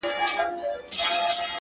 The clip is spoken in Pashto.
که یو ځلي دي نغمه کړه راته سازه.!